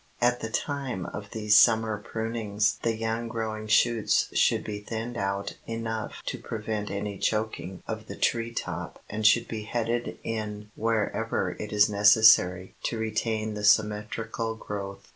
At the time of these summer prunings the young growing shoots should be thinned out enough to prevent any choking of the tree top and should be headed in wherever it is necessary to retain the symmetrical growth.